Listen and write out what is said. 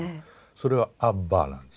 それは「アッバ」なんです。